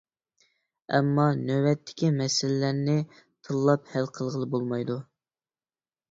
ئەمما نۆۋەتتىكى مەسىلىلەرنى تىللاپ ھەل قىلغىلى بولمايدۇ.